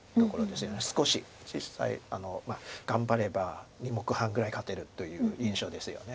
実際頑張れば２目半ぐらい勝てるという印象ですよね。